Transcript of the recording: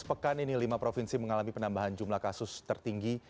pekan ini lima provinsi mengalami penambahan jumlah kasus tertinggi